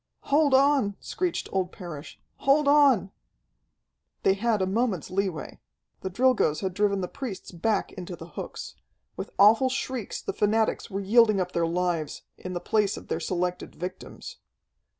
"Hold on!" screeched old Parrish. "Hold on!" They had a moment's leeway. The Drilgoes had driven the priests back into the hooks. With awful shrieks the fanatics were yielding up their lives, in the place of their selected victims.